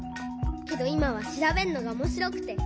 けどいまはしらべるのがおもしろくて。